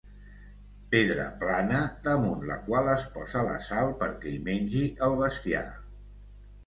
Pedra plana damunt la qual es posa la sal perquè hi mengi el bestiar.